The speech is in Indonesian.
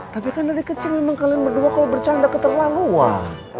tapi kan dari kecil memang kalian berdua kalau bercanda keterlaluan